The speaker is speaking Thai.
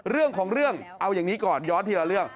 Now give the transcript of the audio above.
เรื่องของเรื่องเอาอย่างนี้ก่อนย้อนทีละเรื่อง